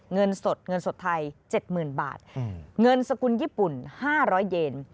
เงินสดเงินสดไทย๗๐๐๐บาทเงินสกุลญี่ปุ่น๕๐๐เยน